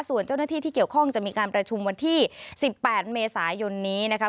ส่วนเจ้าหน้าที่ที่เกี่ยวข้องจะมีการประชุมวันที่๑๘เมษายนนี้นะครับ